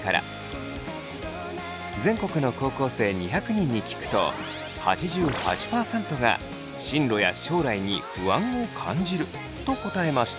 全国の高校生２００人に聞くと８８％が進路や将来に不安を感じると答えました。